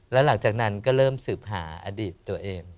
แล้วหลังจากนั้นก็เริ่มสืบหาอดีตตัวเอง